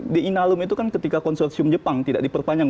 di inalum itu kan ketika konsorsium jepang tidak diperpanjang